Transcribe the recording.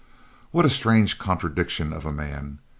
What a strange contradiction of a man!